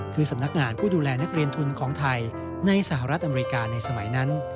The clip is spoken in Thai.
คือสำนักงานผู้ดูแลนักเรียนทุนของไทยในสหรัฐอเมริกาในสมัยนั้น